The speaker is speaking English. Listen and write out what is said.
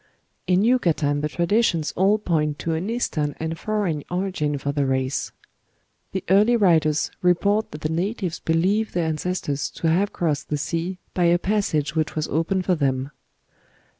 "In Yucatan the traditions all point to an Eastern and foreign origin for the race. The early writers report that the natives believe their ancestors to have crossed the sea by a passage which was opened for them."